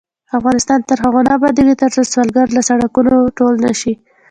افغانستان تر هغو نه ابادیږي، ترڅو سوالګر له سړکونو ټول نشي.